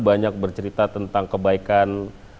banyak bercerita tentang kebaikan